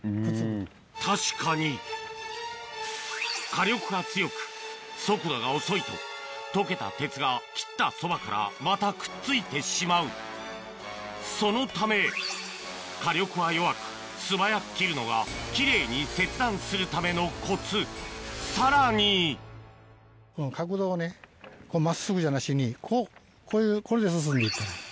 確かに火力が強く速度が遅いと溶けた鉄が切ったそばからまたくっついてしまうそのため火力は弱く素早く切るのが奇麗に切断するためのコツさらにこれで進んでいったらいい。